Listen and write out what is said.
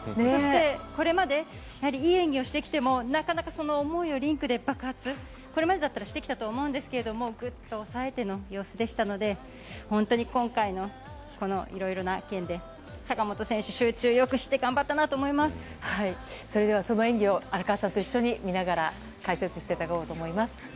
そして、これまでいい演技をしてきてもなかなか、その思いをリンクで爆発これまでだったらしてきたと思うんですけどぐっと抑えての様子でしたので本当に今回のいろいろな件で坂本選手、集中をよくしてそれでは、その演技を荒川さんと一緒に見ながら解説していただこうと思います。